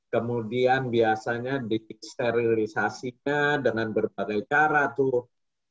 kemudian biasanya disterilisasinya dengan berbagai cara tuh